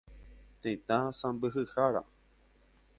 Tetã sãmbyhyhára.